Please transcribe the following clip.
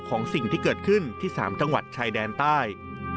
สิ่งที่เกิดขึ้นที่๓จังหวัดชายแดนใต้